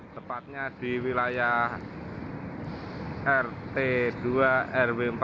tepatnya di wilayah rt dua rw empat